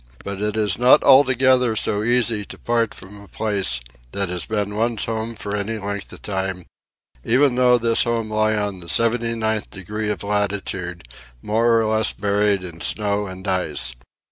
But it is not altogether so easy to part from a place that has been one's home for any length of time, even though this home lie in the 79th degree of latitude, more or less buried in snow and ice.